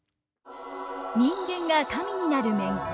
人間が神になる面。